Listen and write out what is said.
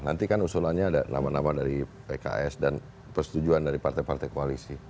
nanti kan usulannya ada nama nama dari pks dan persetujuan dari partai partai koalisi